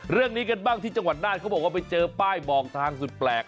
เรื่องนี้กันบ้างที่จังหวัดน่านเขาบอกว่าไปเจอป้ายบอกทางสุดแปลก